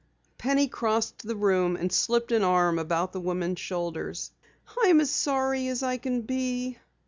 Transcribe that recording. Penny crossed the room and slipped an arm about the woman's shoulders. "I'm as sorry as I can be."